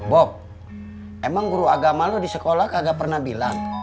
bob emang guru agama lo di sekolah kagak pernah bilang